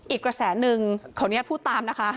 อีกกระแสหนึ่งขออนุญาตพูดตามนะคะ